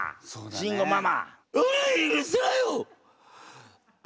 慎吾ママ！